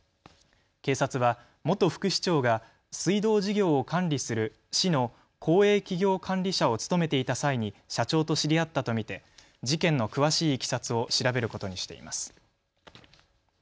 警察は元副市長が水道事業を管理する市の公営企業管理者を務めていた際に社長と知り合ったと見て事件の詳しいいきさつを調べることにしています。